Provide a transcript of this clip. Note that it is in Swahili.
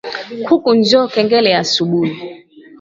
Kuku njo kengele ya asubui